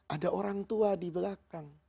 ada orang tua di belakang